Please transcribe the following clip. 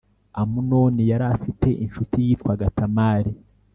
Amunoni yari afite incuti yitwaga tamali